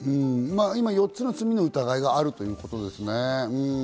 今、４つの罪の疑いがあるということですね。